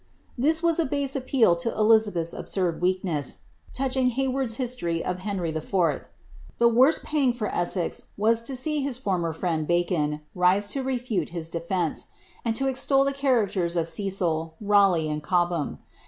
This was a base appeal lo Elizabeth's absurd weakness touching Hayward's history of Henry IV. The worst pang for Essen was to see his former friend, Bacon, rise lo refute his defence, and to extol the characters of Cecil, Kaleigh. and Cobham.